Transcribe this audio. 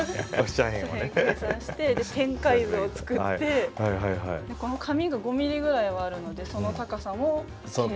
斜辺を計算して展開図を作ってこの紙が５ｍｍぐらいはあるのでその高さも計算してマイナスしてとか。